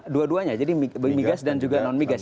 dua duanya jadi migas dan juga non migas